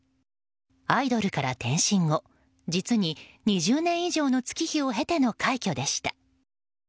アイドルから転身後実に２０年以上の月日を経ての快挙でした。